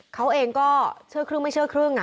เขาเองก็เชื่อครึ่งไม่เชื่อครึ่ง